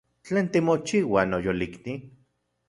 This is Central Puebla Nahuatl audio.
¿Tlen timochiua, noyolikni?